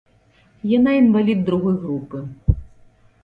Яна інвалід другой групы.